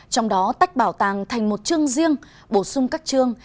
trong đó tách bảo tàng thành một chương riêng bổ sung các chương